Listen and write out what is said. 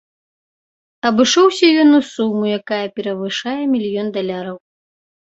Абышоўся ён у суму, якае перавышае мільён даляраў.